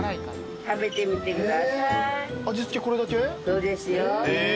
そうですよ。